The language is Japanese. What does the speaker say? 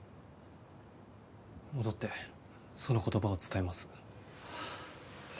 戻ってその言葉は伝えます